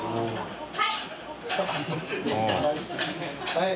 はい。